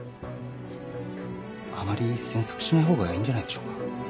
あまり詮索しない方がいいんじゃないでしょうか。